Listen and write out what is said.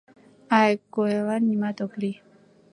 — Ай, куэлан нимат ок лий!